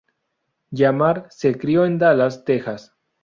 Lamar se crio en Dallas, Texas.